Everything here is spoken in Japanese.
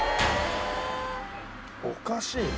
おかしいな。